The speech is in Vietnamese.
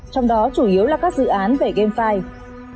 trong đó chủ yếu là các dự án về game file